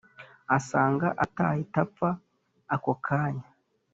asanga atahita apfa ako kanya